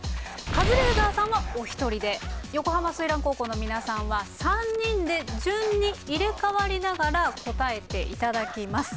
カズレーザーさんはお一人で横浜翠嵐高校の皆さんは３人で順に入れ代わりながら答えていただきます。